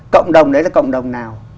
cộng đồng đấy là cộng đồng nào